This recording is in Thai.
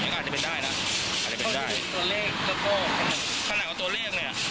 ขนาดตัวเลขเนี่ย